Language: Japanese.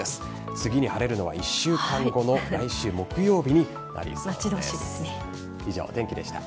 次に晴れるのは１週間後の来週木曜日に待ち遠しいですね。